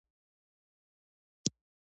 ځوانان د علمي نوښتونو سرچینه ده.